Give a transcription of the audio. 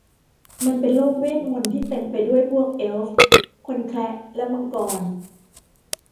มันเป็นโลกเวทมนต์ที่เต็มไปด้วยพวกเอลฟ์ คนแคระและมังกร